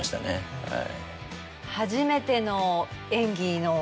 はい。